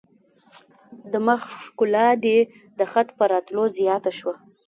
د مخ ښکلا دي د خط په راتلو زیاته شوه.